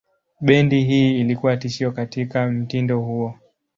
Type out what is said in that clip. Bendi hii ilikuwa tishio katika mtindo huo.